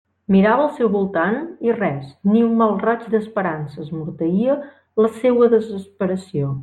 Mirava al seu voltant, i res, ni un mal raig d'esperança esmorteïa la seua desesperació.